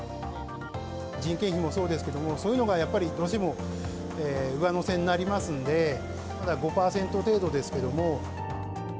人件費もそうですけれども、そういうのがやっぱり、どうしても上乗せになりますんで、５％程度ですけれども。